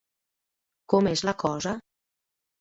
Com és la cosa?